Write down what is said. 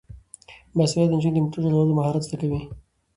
باسواده نجونې د موټر چلولو مهارت زده کوي.